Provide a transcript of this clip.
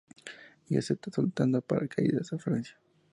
Ella acepta, saltando en paracaídas a Francia.